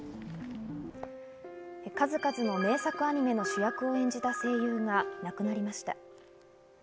数々の名作アニメの主役を演じた声優が亡くなりました。